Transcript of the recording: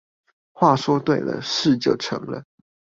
話說對了，事就成了